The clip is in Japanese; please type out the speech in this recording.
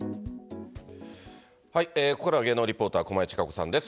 ここからは芸能リポーター、駒井千佳子さんです。